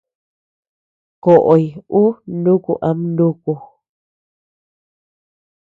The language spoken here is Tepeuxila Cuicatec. Koʼoy ú nuku ama núku.